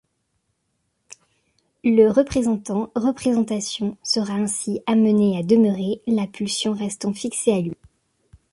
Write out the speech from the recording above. Le représentant-représentation sera ainsi amené à demeurer, la pulsion restant fixée à lui.